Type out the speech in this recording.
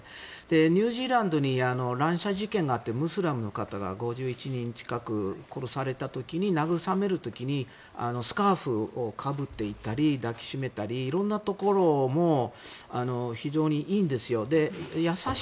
ニュージーランドに乱射事件があってムスリムの方が５１人近く殺された時に慰める時にスカーフをかぶっていったり抱き締めていたり色んなところも非常にいいんですよ。